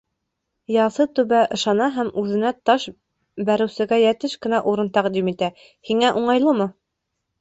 Яҫы Түбә ышана һәм үҙенә таш бәреүсегә йәтеш кенә урын тәҡдим итә. һиңә уңайлымы?